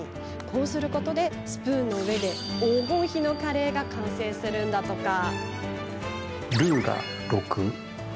こうすることでスプーンの上で黄金比のカレーが完成するんだとか。